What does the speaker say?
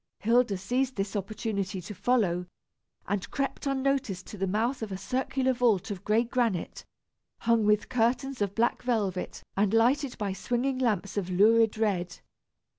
Hilda seized this opportunity to follow, and crept unnoticed to the mouth of a circular vault of gray granite, hung with curtains of black velvet and lighted by swinging lamps of lurid red.